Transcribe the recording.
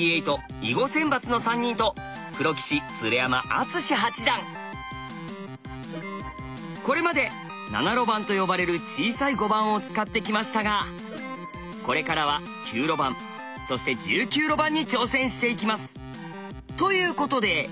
メンバーはこれまで「７路盤」と呼ばれる小さい碁盤を使ってきましたがこれからは９路盤そして１９路盤に挑戦していきます！ということで。